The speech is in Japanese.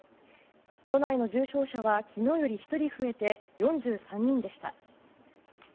都内の重症者は昨日より１人増えて４３人でした。